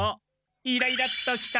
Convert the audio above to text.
イライラッときたら？